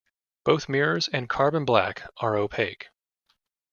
Both mirrors and carbon black are opaque.